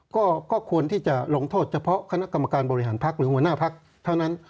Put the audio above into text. ก็ควรที่จะลงโทษเฉพาะคณะกรรมการบริหารพักหรือหัวหน้าพักเท่านั้น